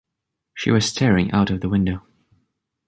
She was staring out of the window.